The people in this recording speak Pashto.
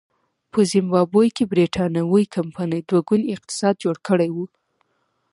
په زیمبابوې کې برېټانوۍ کمپنۍ دوه ګونی اقتصاد جوړ کړی و.